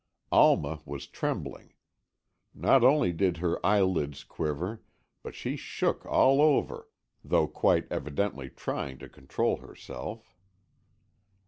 Alma was trembling. Not only did her eyelids quiver, but she shook all over, though quite evidently trying to control herself.